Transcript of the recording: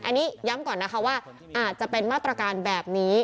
อันนี้ย้ำก่อนนะคะว่าอาจจะเป็นมาตรการแบบนี้